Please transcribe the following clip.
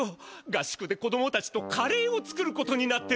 合宿で子どもたちとカレーを作ることになってるんです。